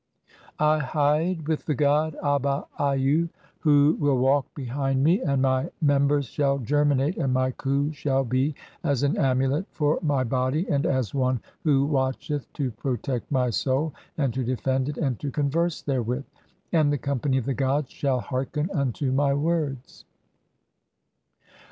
I hide with the god Aba aaiu who 8* 1 1 6 THE CHAPTERS OF COMING FORTH BY DAY. "will walk (49) behind me, and my members shall germinate, "and my khu shall be as an amulet for my body and as one "who watcheth [to protect] my soul (50) and to defend it and "to converse therewith ; and the company of the gods shall "hearken unto my words."